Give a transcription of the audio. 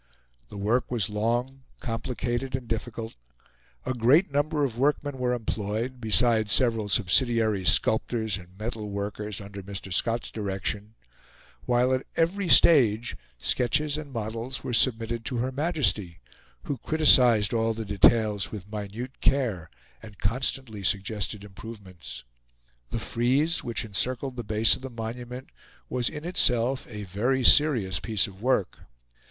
The work was long, complicated, and difficult; a great number of workmen were employed, besides several subsidiary sculptors and metal workers under Mr. Scott's direction, while at every stage sketches and models were submitted to Her Majesty, who criticised all the details with minute care, and constantly suggested improvements. The frieze, which encircled the base of the monument, was in itself a very serious piece of work.